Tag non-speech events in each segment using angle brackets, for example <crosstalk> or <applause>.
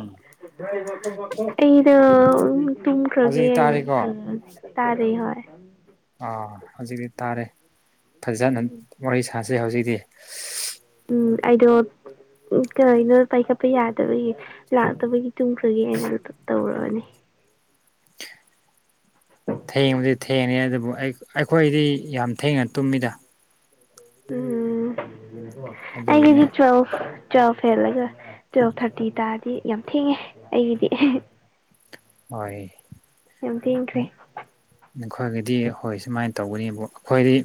ꯎꯝ ꯑꯩꯗꯣ ꯍꯧꯖꯤꯛ ꯇꯨꯝꯈ꯭ꯔꯒꯦ ꯇꯥꯔꯦꯀꯣ ꯇꯥꯔꯦ ꯍꯣꯏ ꯑꯥ ꯍꯧꯖꯤꯛꯇꯤ ꯇꯥꯔꯦ ꯐꯖꯅ ꯋꯥꯔꯤ ꯁꯥꯥꯁꯦ ꯍꯧꯖꯤꯛꯇꯤ ꯎꯝ ꯑꯩꯗꯣ ꯎꯝ ꯀꯥꯏꯅ ꯄꯥꯏꯈꯠꯄ ꯌꯥꯗꯕꯒꯤ ꯂꯥꯛꯇꯕꯒꯤ ꯇꯨꯡꯈ꯭ꯔꯒꯦꯅ ꯇꯧꯔꯕꯅꯤ ꯊꯦꯡꯕꯗꯤ ꯊꯦꯡꯉꯦ ꯑꯗꯨꯕꯨ ꯑꯩ ꯑꯩꯈꯣꯏꯗꯤ ꯌꯥꯝ ꯊꯦꯡꯅ ꯇꯨꯝꯃꯤꯗ ꯎꯝ ꯑꯗꯨꯒꯤꯅꯦ ꯑꯩꯒꯤꯗꯤ ꯇ꯭ꯋꯦꯐ ꯇꯨꯋꯦꯜꯞ ꯍꯦꯜꯂꯒ ꯇꯨꯋꯦꯜꯞ ꯊꯥꯔꯇꯤ ꯇꯥꯔꯗꯤ ꯌꯥꯝ ꯊꯦꯡꯉꯦ ꯑꯩꯒꯤꯗꯤ ꯍꯣꯏ ꯌꯥꯝ ꯇꯦꯡꯈ꯭ꯔꯦ ꯅꯈꯣꯏꯒꯤꯗꯤ ꯍꯣꯏ ꯁꯨꯃꯥꯏ ꯇꯧꯒꯅꯤꯕꯣ ꯑꯩꯈꯣꯏꯗꯤ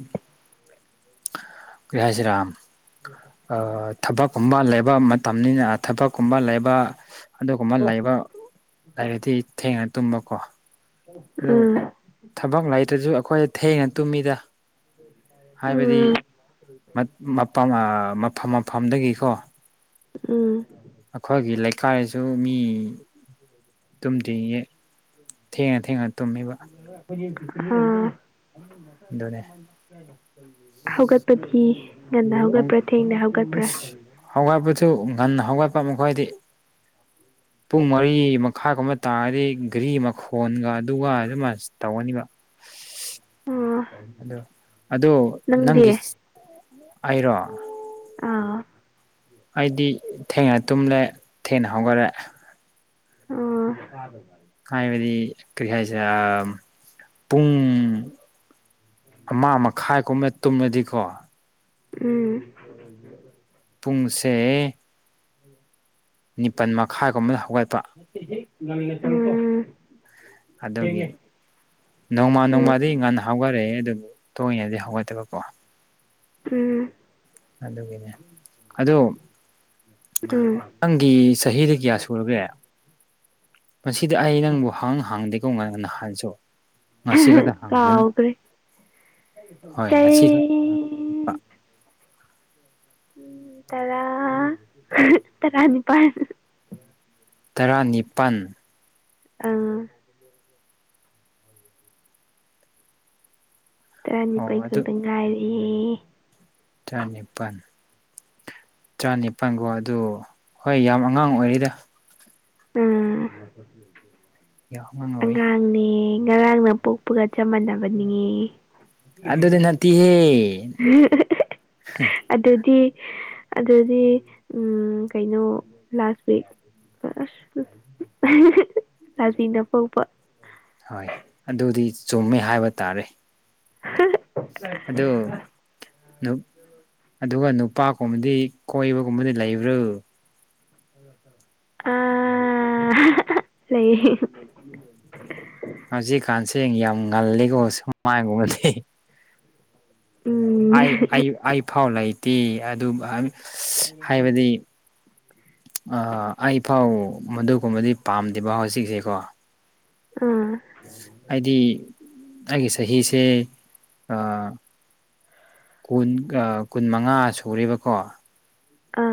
ꯀꯔꯤ ꯍꯥꯏꯁꯤꯔ <inaudible> ꯈꯝꯕꯥꯜ ꯂꯩꯕ ꯃꯇꯝꯅꯤꯅ ꯊꯕꯛꯀꯨꯝꯕ ꯂꯩꯕ ꯑꯗꯨꯒꯨꯝꯕ ꯂꯩꯕ ꯂꯩꯔꯗꯤ ꯊꯦꯡꯅ ꯇꯨꯝꯕꯀꯣ ꯑꯗꯨ ꯎꯝ ꯊꯕꯛ ꯂꯩꯇ꯭ꯔꯖꯨ ꯑꯩꯈꯣꯏ ꯊꯦꯡꯅ ꯇꯨꯝꯃꯤꯗ ꯍꯥꯏꯕꯗꯤ ꯎꯝ ꯃꯠ ꯃꯄꯝꯃ ꯃꯐꯝ ꯃꯐꯝꯗꯒꯤꯀꯣ ꯎꯝ ꯑꯩꯈꯣꯏꯒꯤ ꯂꯩꯀꯥꯏꯁꯨ ꯃꯤ <inaudible> ꯇꯨꯝꯗꯤ ꯊꯦꯡꯉ ꯊꯦꯡꯉ ꯇꯨꯝꯃꯤꯕ ꯑꯗꯨꯅꯦ ꯑꯥ ꯍꯧꯒꯠꯄꯗꯤ ꯉꯟꯅ ꯍꯧꯒꯠꯄ꯭ꯔ ꯊꯦꯡꯅ ꯍꯧꯒꯠꯄ꯭ꯔꯥ ꯁꯨ ꯉꯟꯅ ꯍꯧꯒꯠꯄ ꯃꯈꯣꯏꯗꯤ ꯄꯨꯡ ꯃꯔꯤ ꯃꯈꯥꯒꯨꯝꯕ ꯇꯥꯔꯗꯤ ꯘꯔꯤ ꯃꯈꯣꯟꯒ ꯑꯗꯨꯒ ꯗꯨꯃꯥꯏꯁ ꯇꯧꯒꯅꯤꯕ <inaudible> ꯑꯣ ꯑꯗꯣ ꯅꯪꯗꯤ ꯅꯪꯒꯤ ꯑꯩꯔꯣ ꯑꯥ ꯑꯩꯗꯤ ꯊꯦꯡꯅ ꯇꯨꯝꯂꯦ ꯊꯦꯡꯅ ꯍꯧꯒꯜꯔꯦ ꯑꯣ ꯍꯥꯏꯕꯗꯤ ꯀꯔꯤ ꯍꯥꯏꯁꯦꯔꯝ ꯄꯨꯡ ꯑꯃꯥ ꯃꯈꯥꯏ ꯀꯨꯝꯕ ꯇꯨꯝꯃꯗꯤꯀꯣ ꯎꯝ ꯄꯨꯡꯁꯦ ꯅꯤꯄꯜ ꯃꯈꯥꯏꯒꯨꯝꯕꯗ ꯍꯧꯒꯠꯄ ꯎꯝ ꯑꯗꯨꯒꯤ ꯅꯣꯡꯃ ꯅꯣꯡꯃꯗꯤ ꯉꯟ ꯍꯧꯒꯠꯔꯦ ꯑꯗꯨꯕꯨ ꯇꯣꯏꯅꯗꯤ ꯍꯧꯒꯠꯇꯕꯀꯣ ꯎꯝ ꯑꯗꯨꯒꯤꯅꯦ ꯑꯗꯣ ꯅꯪꯒꯤ ꯆꯍꯤꯗꯤ ꯀꯌꯥ ꯁꯨꯔꯒꯦ ꯉꯁꯤꯗꯤ ꯑꯩ ꯅꯪꯕꯨ ꯍꯡ ꯍꯡꯗꯦꯀꯣ ꯉ ꯅꯍꯥꯟꯁꯨ ꯉꯁꯤ ꯈꯛꯇ <unintelligible> ꯍꯪꯒꯅꯤ ꯀꯥꯎꯒ꯭ꯔꯦ ꯍꯣꯏ ꯉꯁꯤ ꯆꯍꯤ ꯈꯛꯇ ꯎꯝ ꯇꯔꯥ <unintelligible> ꯇꯔꯥꯅꯤꯄꯥꯟ ꯇꯔꯥꯅꯤꯄꯟ ꯑ ꯇꯔꯥꯅꯤꯄꯩ ꯑꯣ ꯈꯛꯇ ꯉꯥꯏꯔꯤ ꯇꯔꯥꯅꯤꯄꯟ ꯇ꯭ꯔꯥꯅꯤꯄꯥꯟ ꯀꫭ ꯑꯗꫭ ꯍꯣꯏ ꯌꯥꯝ ꯑꯉꯥꯡ ꯑꯣꯏꯔꯤꯗ ꯎꯝ ꯌꯥꯝ ꯑꯉꯥꯡ ꯑꯣꯏ ꯑꯉꯥꯡꯅꯦ ꯉꯔꯥꯡꯅ ꯄꯣꯛꯄꯒ ꯆꯞ ꯃꯥꯟꯅꯕꯅꯦ ꯑꯗꯨꯗꯤ ꯅꯠꯇꯤꯍꯦ <unintelligible> ꯑꯗꯨꯗꯤ ꯑꯗꯨꯗꯤ ꯎꯝ ꯀꯩꯅꯣ ꯂꯥꯁ ꯋꯤꯛ ꯑꯁ <unintelligible> ꯂꯥꯁ ꯋꯤꯛꯇ ꯄꯣꯛꯄ ꯍꯣꯏ ꯑꯗꯨꯗꯤ ꯆꯨꯝꯃꯦ ꯍꯥꯏꯕ ꯇꯥꯔꯦ ꯑꯗꫭ ꯅꯨ ꯑꯗꯨꯒ ꯅꯨ ꯄꯥ ꯒꯨꯝꯕꯗꯤ ꯀꯣꯏꯕꯒꯨꯝꯕꯗꯤ ꯂꯩꯕ꯭ꯔꫭ ꯑꯥ <unintelligible> ꯂꯩꯌꯦ ꯍꯧꯖꯤꯛꯀꯥꯟꯁꯦ ꯌꯥꯝ ꯉꯜꯂꯤꯀꯣ ꯁꯨꯝꯃꯥꯏꯒꯨꯝꯕꯗꯤ ꯎꯝ ꯑꯩ ꯑꯩ ꯑꯩ ꯐꯥꯎ ꯂꯩꯇꯦ ꯑꯗꯨ ꯑ ꯍꯥꯏꯕꯗꯤ ꯑ ꯑꯩꯐꯥꯎ ꯃꯗꯨꯒꯨꯝꯕꯗꯤ ꯄꯥꯝꯗꯦꯕ ꯍꯧꯖꯤꯛꯁꯦꯀꯣ ꯎꯝ ꯑꯩꯗꯤ ꯑꯩꯒꯤ ꯆꯍꯤꯁꯦ ꯑ ꯀꯨꯟ ꯀꯨꯟꯃꯉꯥ ꯁꯨꯔꯦꯕꯀꯣ ꯑ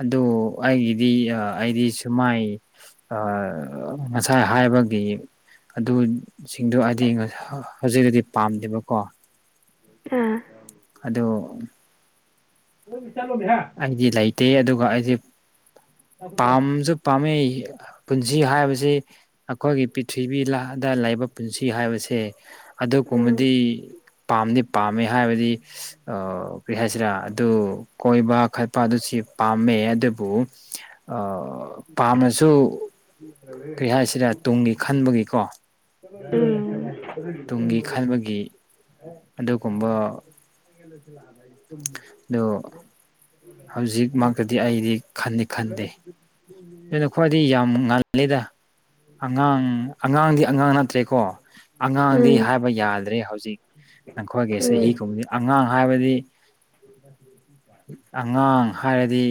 ꯑꯗꯨ ꯑꯩꯒꯤꯗꯤ ꯑꯩꯗꯤ ꯁꯨꯃꯥꯏ ꯑ ꯉꯁꯥꯏ ꯍꯥꯏ ꯕꯒꯤ ꯑꯗꯨꯁꯤꯡꯗꯣ ꯍꯥꯏꯗꯤ ꯍꯧꯖꯤꯛꯇꯗꯤ ꯄꯥꯝꯗꯦꯕꯀꯣ ꯑ ꯑꯗꯣ <unintelligible> ꯑꯩꯗꯤ ꯂꯩꯇꯦ ꯑꯗꯨꯒ ꯑꯩꯗꯤ ꯄꯥꯝꯁꯨ ꯄꯥꯝꯃꯦ ꯄꯨꯟꯁꯤ ꯍꯥꯏꯕꯁꯦ ꯑꯈꯣꯏꯒꯤ ꯄ꯭ꯔꯤꯊꯤꯕꯤꯗ ꯂꯩꯕ ꯄꯨꯟꯁꯤ ꯍꯥꯏꯕꯁꯦ ꯎꯝ ꯑꯗꯨꯒꯨꯝꯕꯗꯤ ꯄꯥꯝꯗꯤ ꯄꯥꯝꯃꯦ ꯍꯥꯏꯕꯗꯤ ꯑ ꯀ꯭ꯔꯤ ꯍꯥꯏꯁꯤꯔ ꯑꯗꯨ ꯀꯣꯏꯕ ꯈꯠꯄ ꯑꯗꯨꯁꯨ ꯄꯥꯝꯃꯦ ꯑꯗꯨꯕꯨ ꯑ ꯄꯥꯝꯔꯁꯨ ꯀ꯭ꯔꯤ ꯍꯥꯏꯁꯤꯔ ꯇꯨꯡꯒꯤ ꯈꯟꯕꯒꯤꯀꯣ ꯎꯝ ꯇꯨꯡꯒꯤ ꯈꯟꯕꯒꯤ ꯑꯗꯨꯒꯨꯝꯕ <inaudible> ꯗꯣ ꯍꯧꯖꯤꯛꯃꯛꯇꯗꯤ ꯑꯩꯗꯤ ꯈꯟꯗꯤ ꯈꯟꯗꯦ ꯑꯗꯨꯅ ꯈ꯭ꯋꯥꯏꯗꯩ ꯌꯥꯝ ꯉꯜꯂꯤꯗ ꯑꯉꯥꯡ ꯑꯉꯥꯡꯗꯤ ꯑꯉꯥꯡ ꯅꯠꯇ꯭ꯔꯦꯀꯣ ꯑꯉꯥꯡꯗꯤ ꯍꯥꯏꯕ ꯌꯥꯗ꯭ꯔꯦ ꯍꯧꯖꯤꯛ ꯑꯩꯈꯣꯏꯒꯤ ꯆꯍꯤ ꯎꯝ ꯀꯨꯝꯕꯗꯤ ꯑꯉꯥꯡ ꯍꯥꯏꯕꯗꯤ ꯑꯉꯥꯡ ꯍꯥꯏꯔꯗꯤ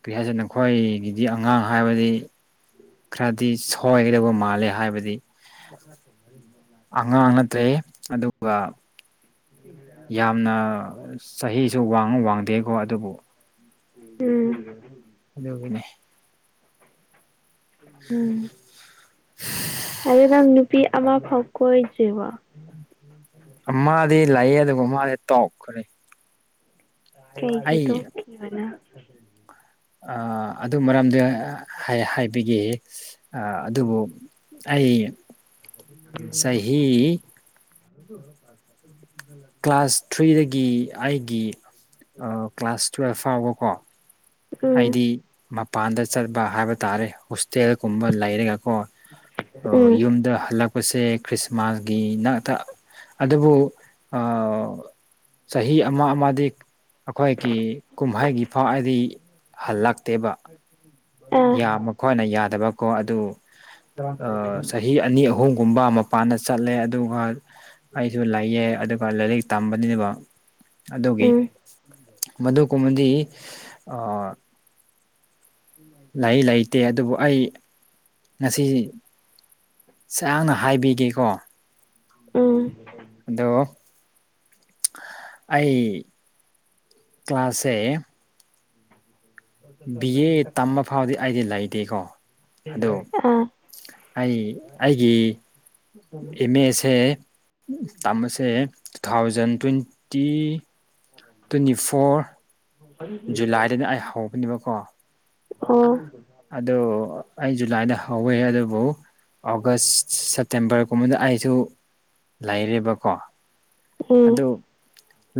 ꯀꯔꯤ ꯍꯥꯏꯗꯨꯅꯣ ꯅꯈꯣꯏꯒꯤꯗꯤ ꯑꯉꯥꯡ ꯍꯥꯏꯕꯗꯤ ꯈꯔꯗꯤ ꯁꯣꯏꯔꯕ ꯃꯥꯜꯂꯦ ꯍꯥꯏꯕꯗꯤ <inaudible> ꯋꯥ ꯌꯥꯝꯅ ꯆꯍꯤꯁꯨ ꯋꯥꯡꯉ ꯋꯥꯡꯗꯦꯀꯣ ꯑꯗꯨꯕꯨ ꯎꯝ ꯑꯗꯨꯒꯤꯅꯤ ꯎꯝ ꯑꯗꯨ ꯅꯪꯗꯤ ꯄꯤ ꯑꯃ ꯐꯥꯎ ꯀꯣꯏꯗ꯭ꯔꯤꯕꯣ ꯑꯃꯥꯗꯤ ꯂꯩꯌꯦ ꯑꯗꯨꯒ ꯃꯥꯗꯤ ꯇꯣꯛꯈ꯭ꯔꯦ ꯀꯩꯒꯤ ꯇꯣꯛꯈꯤꯕꯅꯣ ꯑꯥ ꯑꯗꯨ ꯃꯔꯝꯗꯣ ꯍꯥꯏ ꯍꯥꯏꯕꯤꯒꯦ ꯑꯥ ꯑꯗꯨꯕꯨ ꯑꯩ ꯆꯍꯤ <inaudible> ꯀ꯭ꯂꯥꯁ ꯊ꯭ꯔꯤꯗꯒꯤ ꯑꯩꯒꯤ ꯑꯥ ꯀ꯭ꯂꯥꯁ ꯇꯨꯋꯦꯜꯐ ꯐꯥꯎꯕꯀꯣ ꯎꯝ ꯑꯩꯗꯤ ꯃꯄꯥꯟꯗ ꯆꯠꯄ ꯍꯥꯏꯕ ꯇꯥꯔꯦ ꯍꯨꯁ ꯇꯦꯜ ꯀꯨꯝꯕ ꯂꯩꯔꯒꯀꯣ ꯑꯥ ꯎꯝ ꯌꯨꯝꯗ ꯍꯜꯂꯛ ꯄꯁꯦ ꯈ꯭ꯔꯤꯁꯃꯥꯁꯒꯤ ꯅꯪꯥꯇꯥ ꯑꯗꯨꯕꯨ ꯑꯥ ꯆꯍꯤ ꯑꯃ ꯑꯃꯗꯤ ꯑꯩꯈꯣꯏꯒꯤ ꯀꯨꯝꯍꯩꯒꯤ ꯐꯥꯎ ꯑꯩꯗꯤ ꯍꯜꯂꯛꯇꯦꯕ ꯑꯥ ꯏꯌꯥꯝꯕ ꯈꯣꯢꯅ ꯌꯥꯗꯕꯀꯣ ꯑꯗꯨ ꯆꯍꯤ ꯑꯥ ꯑꯅꯤ ꯑꯍꯨꯝ ꯒꯨꯝꯕ ꯃꯄꯥꯟꯗ ꯆꯠꯂꯦ ꯑꯗꯨꯒ ꯑꯩꯁꯨ ꯂꯩꯌꯦ ꯑꯗꯨꯒ ꯂꯥꯏꯔꯤꯛ ꯇꯝꯕꯅꯦꯕ ꯑꯗꯨꯒꯤ ꯎꯝ ꯃꯗꯨꯒꯨꯝꯕꯗꯤ ꯑꯥ ꯂꯩ ꯂꯩꯇꯦ ꯑꯗꯨꯕꯨ ꯑꯩ ꯉꯁꯤ ꯁꯥꯡꯅ ꯍꯥꯏꯕꯤꯒꯦꯀꯣ ꯎꯝ ꯑꯗꯣ ꯑꯩ ꯀ꯭ꯂꯥꯁꯦ <inaudible> ꯕꯤ ꯑꯦ ꯇꯝꯕ ꯐꯥꯎꯗꯤ ꯑꯩꯗꯤ ꯂꯩꯇꯦꯀꯣ ꯑꯗꯨ ꯑꯥ ꯑꯩ ꯑꯩꯒꯤ ꯑꯦꯝ ꯑꯦꯁꯦ ꯇꯝꯕꯁꯦ two thousand twenty twenty four ꯖꯨꯂꯥꯏꯗꯅ ꯑꯩ ꯍꯧꯕꯅꯦꯕꯀꯣ ꯑꯣ ꯑꯗꯨ ꯑꯩ ꯖꯨꯂꯥꯏꯗ ꯍꯧꯋꯦ ꯑꯗꯨꯕꯨ ꯑꯣꯒꯁ ꯁꯦꯞꯇꯦꯝꯕꯔꯒꯨꯝꯕꯗ ꯑꯩꯁꯨ ꯂꯩꯔꯦꯕꯀꯣ ꯎꯝ ꯑꯗꯨ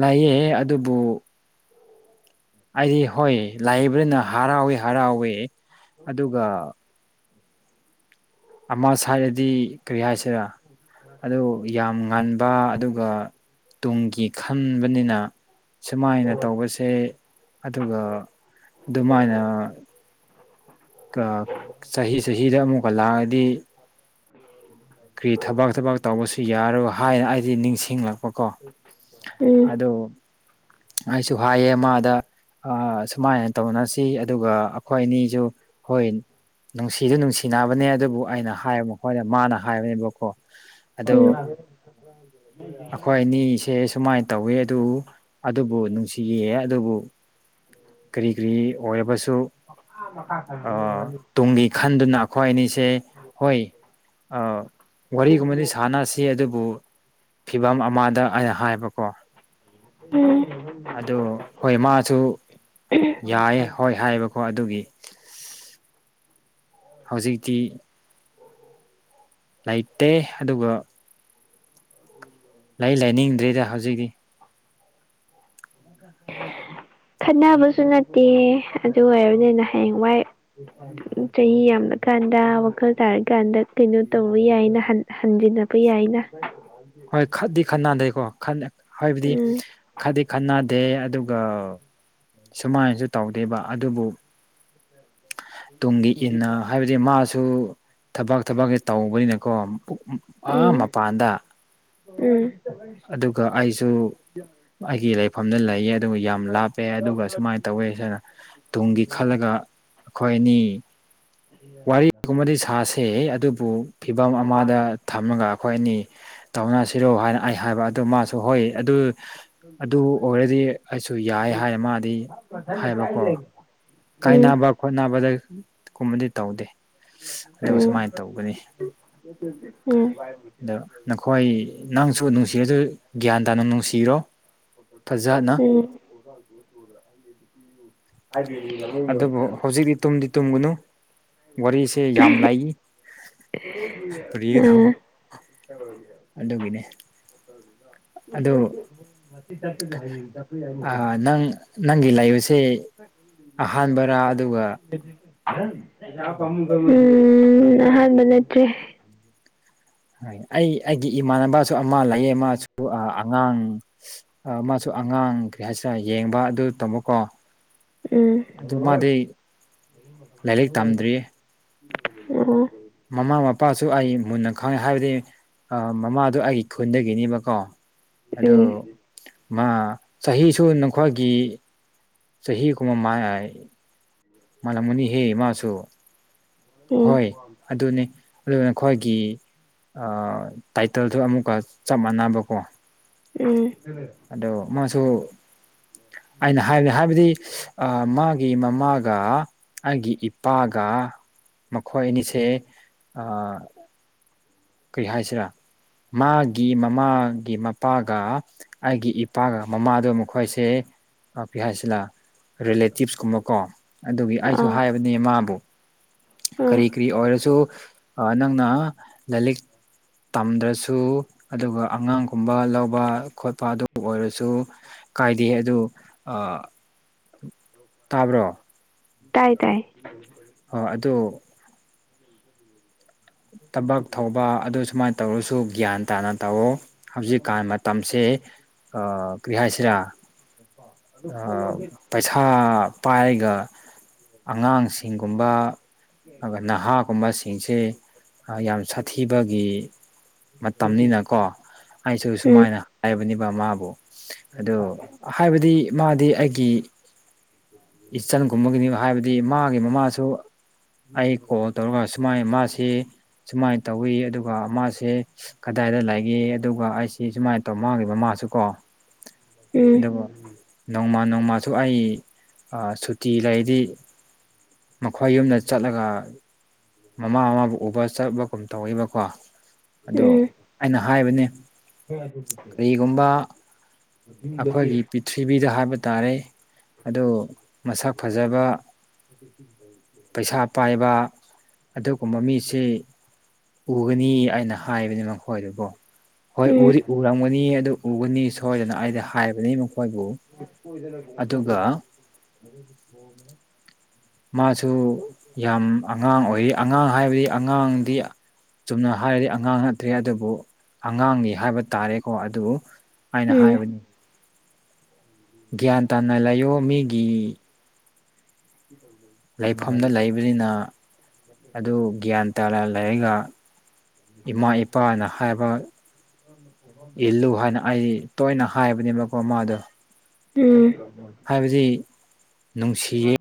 ꯂꯩꯑꯦ ꯑꯗꯨꯕꯨ ꯑꯩꯗꯤ ꯍꯣꯏ ꯂꯥꯏꯕ꯭ꯔꯤꯅ ꯍꯔꯥꯎꯋꯦ ꯍꯔꯥꯎꯋꯦ ꯑꯗꯨꯒ ꯑꯃ ꯁꯥꯏꯔꯗꯤ ꯀꯔꯤ ꯍꯥꯏꯁꯤꯔ ꯑꯗꯨ ꯌꯥꯝ ꯉꯟꯕ ꯑꯗꯨꯒ ꯇꯨꯡꯒꯤ ꯈꯟꯕꯅꯤꯅ ꯁꯨꯃꯥꯏꯅ ꯇꯧꯕꯁꯦ ꯑꯗꯨꯒ ꯑꯗꯨꯃꯥꯏꯅ ꯀꯆꯍꯤ ꯆꯍꯤꯗ ꯑꯃꯨꯛꯀ ꯂꯥꯛꯑꯗꯤ <unintelligible> ꯀꯔꯤ ꯊꯕꯛ ꯊꯕꯛ ꯇꯧꯕꯁꯨ ꯌꯥꯔꯣꯏ ꯍꯥꯏꯅ ꯑꯩꯗꯤ ꯅꯤꯡꯁꯤꯡꯂꯛꯄ ꯀꯣ ꯎꯝ ꯑꯗꯨ ꯑꯩꯁꯨ ꯍꯥꯏꯌꯦ ꯃꯥꯗ ꯑꯥꯥ ꯁꯨꯃꯥꯏꯅ ꯇꯧꯅꯁꯤ ꯑꯗꯨꯒ ꯑꯩꯈꯣꯏ ꯅꯤꯁꯨ ꯍꯣꯏ ꯅꯨꯡꯁꯤꯖꯨ ꯅꯨꯡꯁꯤꯅꯕꯅꯦ ꯑꯗꯨꯕꯨ ꯑꯩꯅ ꯍꯥꯏ ꯃꯈꯣꯏꯅ ꯃꯥꯅ ꯍꯥꯏꯕꯅꯦꯕꯀꯣ ꯑꯗꯨ ꯎꯝ ꯑꯩꯈꯣꯏ ꯑꯅꯤꯁꯦ ꯁꯨꯃꯥꯏꯅ ꯇꯧꯋꯤ ꯑꯗꯨ ꯑꯗꯨꯕꯨ ꯅꯨꯡꯁꯤꯌꯦ ꯑꯗꯨꯕꯨ ꯀꯔꯤ ꯀꯔꯤ ꯑꯣꯏꯔꯕꯁꯨ ꯑ ꯇꯨꯡꯒꯤ ꯈꯟꯗꯨꯅ ꯑꯩꯈꯣꯏ ꯑꯅꯤꯁꯦ ꯍꯣꯏ ꯑꯧ ꯋꯥꯔꯤꯒꯨꯝꯕꯗꯤ ꯁꯥꯟꯅꯁꯤ ꯑꯗꯨꯕꯨ ꯐꯤꯕꯝ ꯑꯃꯗ ꯑꯩ ꯍꯥꯏꯕꯀꯣ ꯎꯝ ꯎꯝ ꯑꯗꯨ ꯍꯣꯏ ꯃꯥꯁꯨ ꯌꯥꯏ ꯍꯣꯏ ꯍꯥꯏꯕꯀꯣ ꯑꯗꯨꯒꯤ ꯍꯧꯖꯤꯛꯇꯤ ꯂꯩꯇꯦ ꯑꯗꯨꯒ ꯂꯩ ꯂꯩꯥꯅꯤꯡꯗ꯭ꯔꯤꯗ ꯍꯧꯖꯤꯛꯇꯤ <unintelligible> ꯈꯠꯅꯕꯁꯨ ꯅꯠꯇꯦ ꯑꯗꯨ ꯑꯣꯏꯔꯕꯅꯤꯅ ꯍꯌꯦꯡꯋꯥꯏ ꯆꯍꯤ ꯌꯥꯝꯅ ꯀꯥꯟꯗ ꯋꯥꯈꯜ ꯇꯥꯔꯀꯥꯟꯗ ꯀꯩꯅꯣ ꯇꯧꯕ ꯌꯥꯏꯅ ꯍꯟꯖꯤꯟꯅꯕ ꯌꯥꯏꯅ ꯍꯣꯏ ꯈꯠꯗꯤ ꯈꯅꯥꯗꯦꯀꯣ ꯍꯥꯏꯕꯗꯤ ꯎꯝ ꯈꯠꯗꯤ ꯈꯅꯥ ꯗꯦ ꯑꯗꯨꯒ ꯁꯨꯃꯥꯏꯅꯁꯨ ꯇꯧꯗꯦꯕ ꯑꯗꯨꯕꯨ ꯇꯨꯡꯒꯤ ꯏꯟꯅ ꯍꯥꯏꯕꯗꯤ ꯃꯥꯁꯨ ꯊꯕꯛ ꯊꯕꯛꯁꯦ ꯇꯧꯕꯅꯤꯅꯀꯣ ꯑ ꯎꯝ ꯃꯄꯥꯟꯗ ꯎꯝ ꯑꯗꯨꯒ ꯑꯩꯁꯨ ꯑꯩꯒꯤ ꯂꯩꯐꯝꯗ ꯂꯩꯌꯦ ꯑꯗꯨꯒ ꯌꯥꯝ ꯂꯥꯞꯄꯦ ꯑꯗꯨꯒ ꯁꯨꯃꯥꯏꯅ ꯇꯧꯋꯦꯅ ꯁꯔ ꯇꯨꯡꯒꯤ ꯈꯜꯂꯒ ꯑꯈꯣꯏ ꯑꯅꯤ ꯋꯥꯔꯤꯒꯨꯝꯕꯗꯤ ꯁꯥꯁꯦ ꯑꯗꯨꯕꯨ ꯐꯤꯕꯝ ꯑꯃꯗ ꯊꯝꯃꯒ ꯈꯣꯏ ꯑꯅꯤ ꯇꯧꯅꯁꯤꯔꯣ ꯍꯥꯏꯅ ꯑꯩ ꯍꯥꯏꯕ ꯑꯗꯨ ꯃꯥꯁꯨ ꯍꯣꯏ ꯑꯗꯨ ꯑꯗꯨ ꯑꯣꯏꯔꯗꯤ ꯑꯩꯁꯨ ꯌꯥꯏ ꯍꯥꯏ ꯃꯥꯗꯤ ꯃꯊꯪꯗꯗꯤ ꯑꯩ ꯍꯥꯏꯕꯀꯣ ꯂꯩꯔꯤ ꯀꯥꯏꯅꯕ ꯈꯣꯠꯅꯕꯗ ꯀꯨꯝꯕꯗꯤ ꯇꯧꯗꯦ ꯑꯗꯨꯒ ꯁꯨꯃꯥꯏꯅ ꯇꯧꯕꯅꯤ <unintelligible> ꯑꯗꯣ ꯅꯈꯣꯏ ꯅꯪꯁꯨ ꯅꯨꯡꯁꯤꯔꯁꯨ ꯒ꯭ꯌꯥꯟ ꯇꯥꯅ ꯅꯨꯡꯁꯤꯔꯣ ꯐꯖꯅ ꯎꯝ ꯑꯗꯨꯕꯨ ꯍꯧꯖꯤꯛꯇꯤ ꯇꯨꯝꯗꯤ ꯇꯨꯝꯒꯅꯨ ꯋꯥꯔꯤꯁꯦ ꯌꯥꯝ ꯂꯩ ꯂꯤꯒꯗꯧꯕ ꯑꯥ ꯑꯗꯨꯒꯤꯅꯦ <unintelligible> ꯑꯥ ꯅꯪ ꯅꯪꯒꯤ ꯂꯩꯕꯁꯦ ꯑꯍꯥꯟꯕꯔꯥ ꯑꯗꯨꯒ ꯎꯝ ꯑꯍꯥꯟꯕ ꯅꯠꯇꯦ ꯍ ꯑꯩ ꯑꯩꯒꯤ ꯏꯃꯥꯟꯅꯕꯁꯨ ꯑꯃ ꯂꯩꯌꯦ ꯃꯥꯁꯨ ꯑꯉꯥꯡ ꯑꯥ ꯃꯥꯁꯨ ꯑꯉꯥꯡ ꯀꯔꯤ ꯍꯥꯏꯁꯤꯔ ꯌꯦꯡꯕ ꯑꯗꯨ ꯇꯝꯃꯀꯣ ꯎꯝ ꯑꯗꯨ ꯃꯥꯗꯤ ꯂꯥꯏꯔꯤꯛ ꯇꯝꯗ꯭ꯔꯤꯌꯦ ꯑꯣ ꯃꯃꯥ ꯃꯄꯥꯁꯨ ꯑꯩ ꯃꯨꯟꯅ ꯈꯪꯉꯦ ꯍꯥꯏꯕꯗꯤ ꯑꯥ ꯃꯃꯥꯗꯨ ꯑꯩꯒꯤ ꯈꯨꯟꯗꯒꯤꯅꯦꯕꯀꯣ ꯑꯗꯨ ꯎꯝ ꯃꯥ ꯆꯍꯤꯁꯨ ꯅꯈꯣꯏꯒꯤ ꯆꯍꯤ ꯀꯨꯝꯕ ꯃꯥ ꯑꯩ ꯃꯂꯝꯒꯅꯤ ꯍꯦ ꯃꯥꯁꯨ ꯎꯝ ꯍꯣꯏ ꯑꯗꯨꯅꯦ ꯑꯗꯨ ꯅꯈꯣꯏꯒꯤ ꯑꯥꯝ ꯇꯥꯏꯇꯜꯗꯨ ꯑꯃꯨꯛꯀ ꯆꯞ ꯃꯥꯟꯅꯕꯀꯣ ꯎꯝ ꯑꯗꯣ ꯃꯥꯁꯨ ꯑꯩꯅ ꯍꯥꯏꯗꯤ ꯍꯥꯏꯕꯗꯤ ꯑꯥ ꯃꯥꯒꯤ ꯃꯃꯥꯒ ꯑꯩꯒꯤ ꯏꯄꯥꯒ ꯃꯈꯣꯏ ꯑꯅꯤꯁꯦ ꯑꯥ ꯀꯔꯤ ꯍꯥꯏꯁꯤꯔꯥ ꯃꯥꯒꯤ ꯃꯃꯥ ꯒꯤ ꯃꯄꯥꯒ ꯑꯩꯒꯤ ꯏꯄꯥꯒ ꯃꯃꯥꯗꯣ ꯃꯈꯣꯏꯁꯦ ꯑ ꯀ꯭ꯔꯤ ꯍꯥꯏꯁꯤꯂ ꯔꯤꯂꯦꯇꯤꯞꯁ ꯀꯨꯝꯕꯀꯣ ꯑꯗꯨꯒꯤ ꯑꯩꯁꯨ ꯑꯥ ꯍꯥꯏꯕꯅꯦ ꯃꯥꯕꯨ ꯑꯥ ꯀꯔꯤ ꯀꯔꯤ ꯑꯣꯏꯔꯁꯨ ꯑꯥ ꯅꯪꯅ ꯂꯥꯔꯤꯛ ꯇꯝꯗ꯭ꯔꯁꯨ ꯑꯗꯨꯒ ꯑꯉꯥꯡ ꯒꯨꯝꯕ ꯂꯧꯕ ꯈꯣꯠꯄ ꯑꯗꯨ ꯑꯣꯏꯔꯁꯨ ꯀꯥꯏꯗꯦ ꯑꯗꯨ ꯑꯥ ꯇꯥꯕ꯭ꯔꯣ ꯇꯥꯏ ꯇꯥꯏ ꯍꯣ ꯑꯗꯨ ꯊꯕꯛ ꯊꯧꯕ ꯑꯗꯨ ꯁꯨꯃꯥꯏ ꯇꯧꯔꯁꯨ ꯒ꯭ꯌꯥꯟ ꯇꯥꯅ ꯇꯧꯑꯣ ꯍꯧꯖꯤꯛꯀꯥꯟ ꯃꯇꯝꯁꯦ ꯑꯥ ꯀꯔꯤ ꯍꯥꯏꯁꯤꯔꯥ ꯑꯥ ꯄꯩꯁꯥ ꯄꯥꯏꯒ ꯑꯉꯥꯡꯁꯤꯡꯒꯨꯝꯕ ꯑꯗꯨꯒ ꯅꯍꯥꯒꯨꯝꯕꯁꯤꯡꯁꯦ ꯑꯥ ꯌꯥꯝ ꯁꯥꯊꯤꯕꯒꯤ ꯃꯇꯝꯅꯤꯅꯀꯣ ꯑꯩꯁꯨ ꯎꯝ ꯁꯨꯃꯥꯏꯅ ꯍꯥꯏꯕ ꯕꯅꯤꯕ ꯃꯥꯕꯨ ꯑꯗꯨ ꯍꯥꯏꯕꯗꯤ ꯃꯥꯗꯤ ꯑꯩꯒꯤ ꯏꯆꯟꯒꯨꯝꯕꯒꯤꯅꯤ ꯍꯥꯏꯕꯗꯤ ꯃꯥꯒꯤ ꯃꯃꯥꯁꯨ ꯑꯩ ꯀꯣꯜ ꯇꯧꯔꯒ ꯁꯨꯃꯥꯏ ꯃꯥꯁꯤ ꯁꯤ ꯁꯨꯃꯥꯏꯅ ꯇꯧꯋꯤ ꯑꯗꯨꯒ ꯃꯥꯁꯦ ꯀꯗꯥꯏꯗ ꯂꯩꯒꯦ ꯑꯗꯨꯒ ꯑꯩ ꯁꯤ ꯁꯨꯃꯥꯏ ꯇꯧ ꯃꯥꯒꯤ ꯃꯃꯥꯁꯨ ꯀꯣ ꯎꯝ ꯑꯗꯨꯕꯨ ꯅꯧ ꯅꯣꯡꯃꯥ ꯅꯣꯡꯃꯁꯨ ꯑꯩ ꯑꯥ ꯁꯨꯇꯤ ꯂꯩꯗꯤ ꯃꯈꯣꯏ ꯌꯨꯝꯗ ꯆꯠꯂꯒ ꯃꯃꯥ ꯃꯥꯕꯨ ꯎꯕ ꯆꯠꯄꯒꯨꯝ ꯇꯧꯋꯦꯕꯀꯣ ꯑꯗꯨ ꯎꯝ ꯑꯩꯅ ꯍꯥꯏꯕꯅꯦ ꯀꯔꯤꯒꯨꯝꯕ ꯑꯩꯈꯣꯏꯒꯤ ꯄꯔꯤꯊꯤꯕꯤꯗ ꯍꯥꯏꯕ ꯇꯥꯔꯦ ꯑꯗꯨ ꯃꯁꯛ ꯐꯖꯕ ꯄꯩꯁꯥ ꯄꯥꯏꯕ ꯑꯗꯨꯒꯨꯝꯕ ꯃꯤꯁꯤ ꯎꯒꯅꯤ ꯑꯩꯅ ꯍꯥꯏꯕꯅꯤ ꯃꯈꯣꯏꯗꯒꯣ ꯍꯣꯏ ꯎꯗꯤ ꯎꯔꯝꯒꯅꯤ ꯑꯗꯨ ꯎꯒꯅꯤ ꯁꯣꯏꯗꯅ ꯑꯩꯗꯤ ꯍꯥꯏꯕꯅꯤ ꯃꯈꯣꯏꯕꯨ ꯑꯗꯨꯒ <unintelligible> ꯃꯥꯁꯨ ꯌꯥꯝ ꯑꯉꯥꯡ ꯑꯣꯏꯔꯤ ꯑꯉꯥꯡ ꯍꯥꯏꯕꯗꯤ ꯑꯉꯥꯡꯗꯤ ꯆꯨꯝꯅ ꯍꯥꯏꯔꯗꯤ ꯑꯉꯥꯡ ꯅꯠꯇ꯭ꯔꯦ ꯑꯗꯨꯕꯨ ꯑꯉꯥꯡꯅꯤ ꯍꯥꯏꯕ ꯇꯥꯔꯦꯀꯣ ꯑꯗꯨ ꯑꯩꯅ ꯎꯝ ꯍꯥꯏꯕꯅꯤ ꯒ꯭ꯌꯥꯟ ꯇꯥꯅ ꯂꯩꯌꯣ ꯃꯤꯒꯤ ꯂꯩꯐꯝꯗ ꯂꯩꯕꯅꯤꯅ ꯑꯗꯨ ꯒ꯭ꯌꯥꯟ ꯇꯥ ꯂꯩꯔꯒ ꯏꯃꯥ ꯏꯄꯥꯅ ꯍꯥꯏꯕ ꯏꯜꯂꯨ ꯍꯥꯏꯅ ꯑꯩ ꯇꯣꯏꯅ ꯍꯥ ꯍꯥꯏꯕꯅꯦꯕꯀꯣ ꯃꯥꯗꯣ ꯎꯝ ꯍꯥꯏꯕꯗꯤ ꯅꯨꯡꯁꯤꯌꯦ